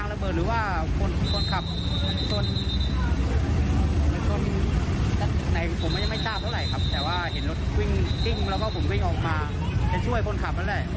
แต่พอดีเห็นคนขับออกมาไปแล้วไงแล้วก็ผมไปเล่น